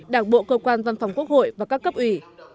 đảng bộ cơ quan văn phòng quốc hội và các cấp ủy